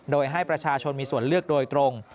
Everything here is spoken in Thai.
โดยให้ประชาชนมีส่วนเลือกโดยตรง